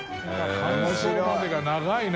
感想までが長いな。